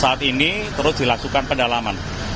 saat ini terus dilakukan pendalaman